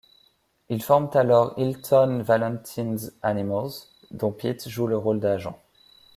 Ils forment alors Hilton Valentine's Animals, dont Pete joue le rôle d'agent.